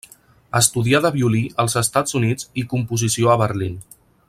Estudià de violí als Estats Units i composició a Berlín.